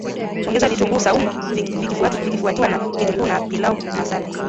Ongeza vitunguu swaumu vikifuatiwa na kitunguu na pilau masala